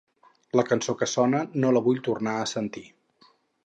La cançó que sona no la vull tornar a sentir.